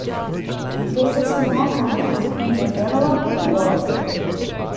This is more common in the developing world.